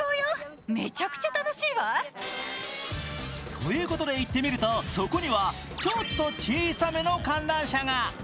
ということで行ってみるとそこにはちょっと小さめの観覧車が。